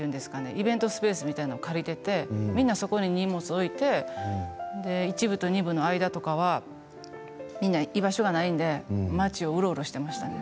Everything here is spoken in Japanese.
イベントスペースみたいなところ借りていてみんなそこに荷物を置いて１部と２部の間とかはみんな居場所がないので街をうろうろしていましたね。